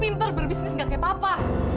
pintar berbisnis gak kayak papa